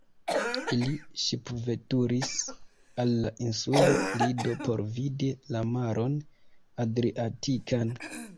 Ili ŝipveturis al la insulo Lido por vidi la maron Adriatikan.